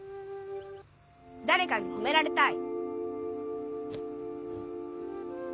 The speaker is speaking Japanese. だれかにほめられたい？